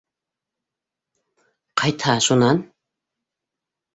Ҡайтһа шунан?